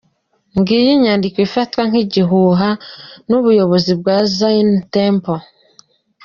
Ngiyi inyandiko ifatwa nk’igihuha n’ubuyobozi bwa Zion Temple